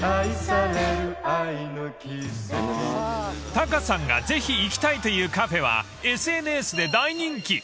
［タカさんがぜひ行きたいというカフェはＳＮＳで大人気］